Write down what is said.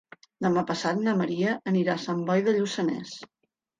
Demà passat na Maria anirà a Sant Boi de Lluçanès.